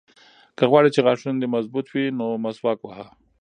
که غواړې چې غاښونه دې مضبوط وي نو مسواک وهه.